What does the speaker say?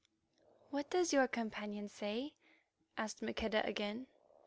"What does your companion say?" asked Maqueda again.